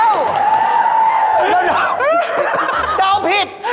ยาวยาวผิด